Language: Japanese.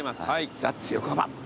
ザッツ横浜。